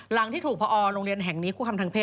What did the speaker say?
หลังที่ถูกพอโรงเรียนแห่งนี้คู่คำทางเศษ